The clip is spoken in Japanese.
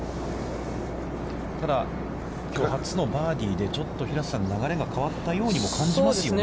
ただ、きょう、初のバーディーで、ちょっと平瀬さん、流れが変わったようにも感じますよね。